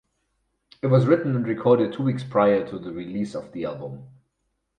It was written and recorded two weeks prior to the release of the album.